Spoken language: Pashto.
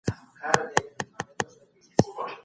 ښځي د سړیو په څیر د کار حق لري.